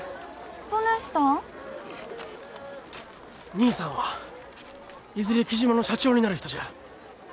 兄さんはいずれ雉真の社長になる人じゃあ。